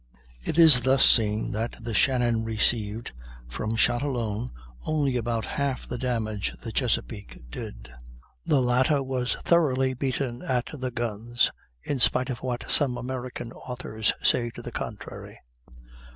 It is thus seen that the Shannon received from shot alone only about half the damage the Chesapeake did; the latter was thoroughly beaten at the guns, in spite of what some American authors say to the contrary.